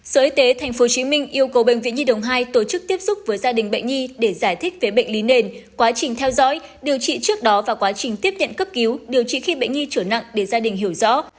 sở y tế tp hcm yêu cầu bệnh viện nhi đồng hai tổ chức tiếp xúc với gia đình bệnh nhi để giải thích về bệnh lý nền quá trình theo dõi điều trị trước đó và quá trình tiếp nhận cấp cứu điều trị khi bệnh nhi trở nặng để gia đình hiểu rõ